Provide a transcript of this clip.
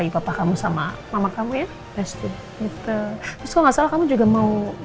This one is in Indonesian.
bapak kenal abimana